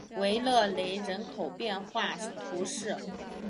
维勒雷人口变化图示